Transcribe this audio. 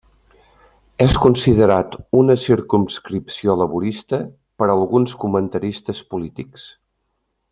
És considerat una circumscripció Laborista per alguns comentaristes polítics.